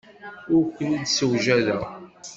Ur ken-id-ssewjadeɣ.